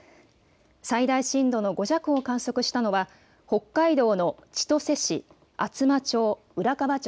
最大震度の５弱を観測したのは北海道の千歳市、厚真町、浦河町